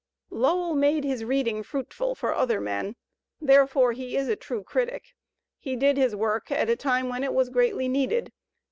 Lowell made his reading fruitful for y\ ' other men. Therefore he is a true critic. He did his work at a time when it was greatly needed.